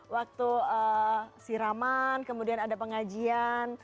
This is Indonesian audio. waktu siraman kemudian ada pengajian